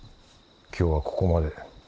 今日はここまで。